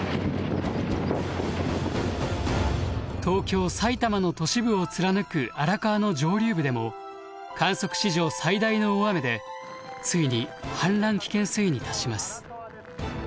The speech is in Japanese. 東京埼玉の都市部を貫く荒川の上流部でも観測史上最大の大雨でついに氾濫危険水位に達します。